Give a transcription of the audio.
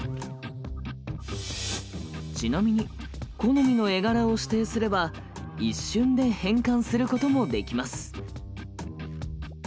ちなみに好みの絵柄を指定すれば一瞬で変換することもできます。